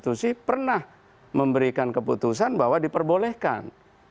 konstitusi pernah memberikan keputusan bahwa diperbolehkan